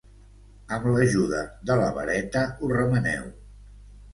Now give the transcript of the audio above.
amb l'ajuda de la vareta ho remeneu